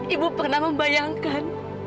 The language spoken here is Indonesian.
ibu pernah membayangkan